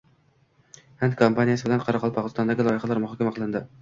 Hind kompaniyasi bilan Qoraqalpog‘istondagi loyihalar muhokama qilindi